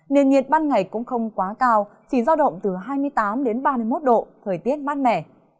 nền nhiệt ban ngày cũng không quá cao chỉ giao động từ hai mươi tám đến ba mươi một độ thời tiết mát mẻ